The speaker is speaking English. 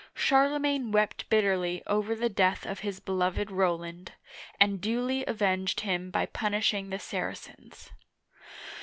Charlemagne wept bit terly over the death of his beloved Roland, and duly avenged him by punishing the Saracens.